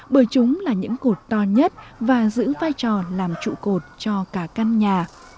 bởi chúng là những cột to nhất và giữ vai trò làm trụ cột cho cả căn nhà